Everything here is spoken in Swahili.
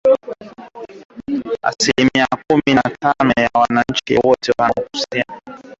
asilimia kumi na moja kwa bidhaa ya petroli na dizeli